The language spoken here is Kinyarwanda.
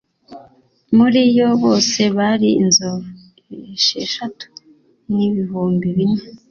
muri yo bose bari inzovu esheshatu n ibihumbi bine